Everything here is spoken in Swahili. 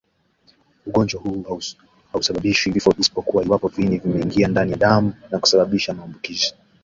Ugonjwa huu hausababishi vifo isipokuwa iwapo viini vimeingia ndani ya damu na kusababisha maambukizi